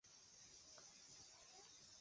清朝雍正年间因人工围垦形成半岛。